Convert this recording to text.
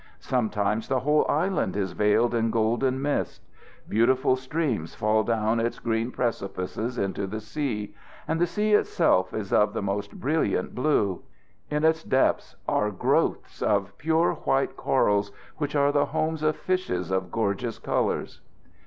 Sometimes the whole island is veiled in golden mist. Beautiful streams fall down its green precipices into the sea, and the sea itself is of the most brilliant blue. In its depths are growths of pure white corals, which are the homes of fishes of gorgeous colors.